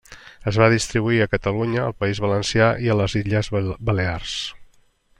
Es va distribuir a Catalunya, al País Valencià i a les Illes Balears.